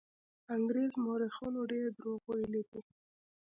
انګرېز مورخینو ډېر دروغ ویلي دي.